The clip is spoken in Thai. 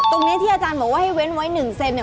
ตรงนี้ที่อาจารย์บอกว่าให้เว้นไว้๑เซนเนี่ย